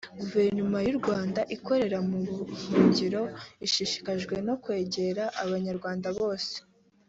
Guverinoma y’u Rwanda ikorera mu buhungiro ishishikajwe no kwegera Abanyarwanda bose